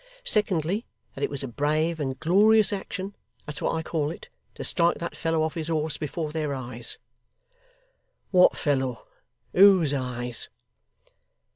Secondly, that it was a brave and glorious action that's what I call it to strike that fellow off his horse before their eyes!' 'What fellow! Whose eyes!